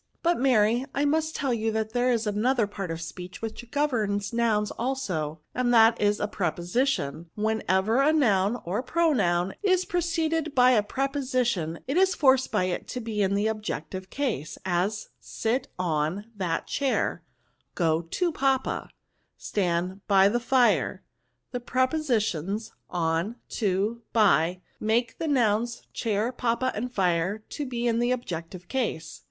" But, Mary, I must tell you that there is another part of speech which governs nouns also, and that is a preposition ; whenever a noun (or pronoun) is preceded by a preposi tion, it is forced by it to be in the objective case; as, sit on that chair; go to papa; stand by the fire ; the prepositions on, to, by, make the nouns chair, papa, anAJire, to be in the objective case."